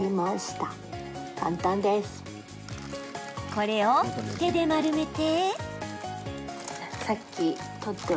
これを手で丸めて。